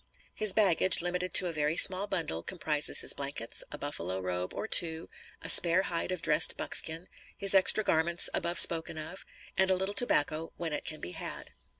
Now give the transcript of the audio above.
His baggage, limited to a very small bundle, comprises his blankets, a buffalo robe or two, a spare hide of dressed buckskin, his extra garments above spoken of, and a little tobacco (when it can be had).